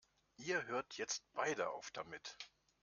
Ihr hört jetzt beide auf damit!